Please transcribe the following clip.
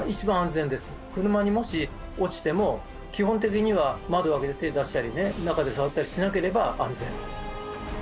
車にもし落ちても基本的には窓を開けて手を出したりね中で触ったりしなければ安全。